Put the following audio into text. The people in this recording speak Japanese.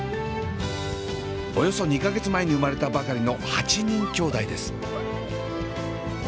およそ２か月前に生まれたばかりの８人きょうだいです。